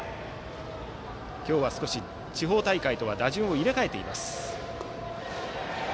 今日は少し地方大会とは打順を入れ替えています。